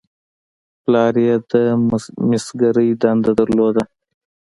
پلار یې د مسګرۍ دنده درلوده.